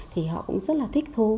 thì họ cũng rất là thích thú